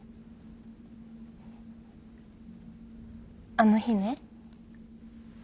あの日ね。